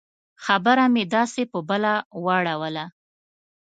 خبره مې داسې په بله واړوله.